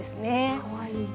かわいい。